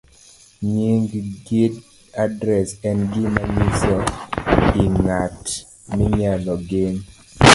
Nying' gi adres en gima nyiso i ng'at minyalo gen.